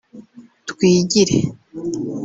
twigire